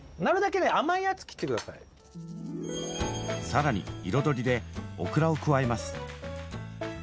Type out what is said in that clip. さらに彩りでオクラを加えます。